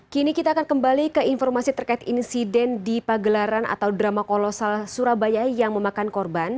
kini kita akan kembali ke informasi terkait insiden di pagelaran atau drama kolosal surabaya yang memakan korban